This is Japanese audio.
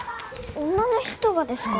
女の人がですか？